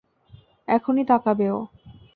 এখনই তাকাবে ও।